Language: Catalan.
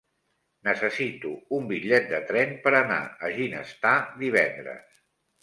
Necessito un bitllet de tren per anar a Ginestar divendres.